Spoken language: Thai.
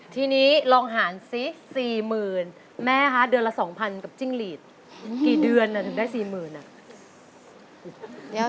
ทีนี้ลองหารซิ๔๐๐๐แม่คะเดือนละ๒๐๐กับจิ้งหลีดกี่เดือนถึงได้๔๐๐๐อ่ะ